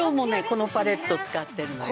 このパレット使ってるのよ。